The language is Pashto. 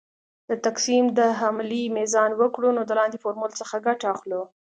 د تقسیم د عملیې میزان وکړو نو د لاندې فورمول څخه ګټه اخلو .